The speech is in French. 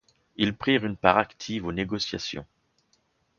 Ils prirent une part active aux négociations.